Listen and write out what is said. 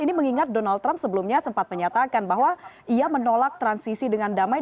ini mengingat donald trump sebelumnya sempat menyatakan bahwa ia menolak transisi dengan damai